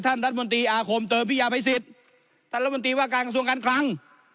ท่านรัฐบนตรีอาคมเตอร์พิยาภัยศิษฐ์ท่านรัฐบนตรีว่าการส่วนกันกลัง